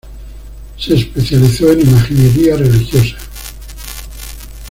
Se especializó en imaginería religiosa.